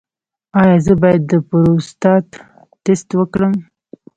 ایا زه باید د پروستات ټسټ وکړم؟